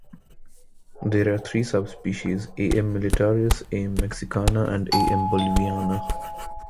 There are three subspecies, "A. m. militaris", "A. m. mexicana", and "A. m. boliviana".